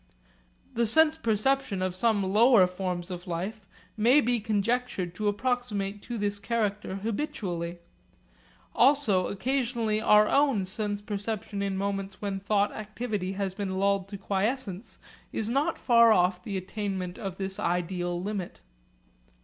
The sense perception of some lower forms of life may be conjectured to approximate to this character habitually. Also occasionally our own sense perception in moments when thought activity has been lulled to quiescence is not far off the attainment of this ideal limit.